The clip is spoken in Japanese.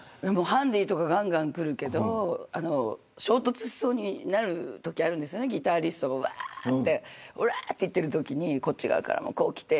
ハンディとかがんがん来るけれど衝突しそうになるときあるんですギタリストがわーっておらーっていってるときにこっち側からも来て